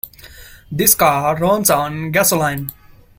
This car runs on gasoline.